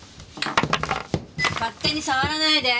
勝手に触らないで！